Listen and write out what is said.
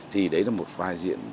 thì đấy là một vai diễn